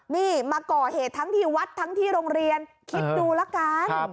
นี่มาก่อเหตุทั้งที่วัดทั้งที่โรงเรียนคิดดูละกัน